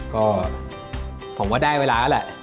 ก็ผมว่าได้เวลาแล้วแหละ